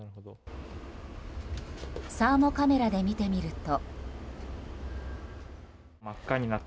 サーモカメラで見てみると。